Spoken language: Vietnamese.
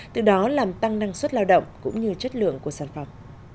từ đó làm tăng năng suất lao động cũng như chất lượng của sản phẩm